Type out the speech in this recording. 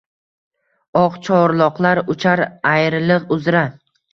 oq chorloqlar uchar ayriliq uzra